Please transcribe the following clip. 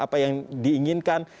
apa yang diinginkan